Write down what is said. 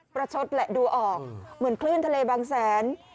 ชดแหละดูออกเหมือนคลื่นทะเลบางแสน